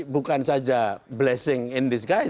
bukan saja blessing in disguise